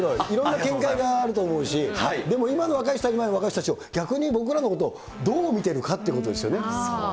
いろいろな見解があるだろうし、でも今の若い人は若い人で逆に僕らのことをどう見てるかっていうことですよね。